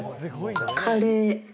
カレー。